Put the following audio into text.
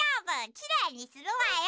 きれいにするわよ。